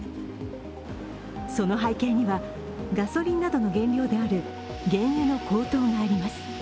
その背景にはガソリンなどの原料である原油の高騰があります。